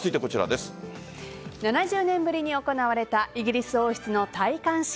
７０年ぶりに行われたイギリス王室の戴冠式。